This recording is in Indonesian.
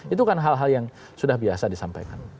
itu kan hal hal yang sudah biasa disampaikan